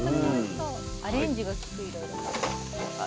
アレンジが利くいろいろ。